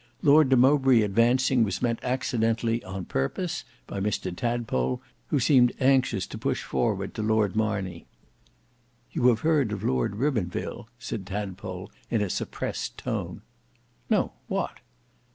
Lord de Mowbray advancing was met accidentally on purpose by Mr Tadpole, who seemed anxious to push forward to Lord Marney. "You have heard of Lord Ribbonville?" said Tadpole in a suppressed tone. "No; what?"